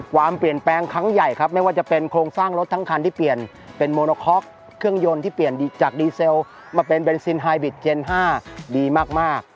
ความเปลี่ยนแปลงครั้งใหญ่ครับไม่ว่าจะเป็นโครงสร้างรถทั้งคันที่เปลี่ยนเป็นโมโนค็อกเครื่องยนต์ที่เปลี่ยนจากดีเซลมาเป็นเบนซินไฮบิดเจน๕ดีมาก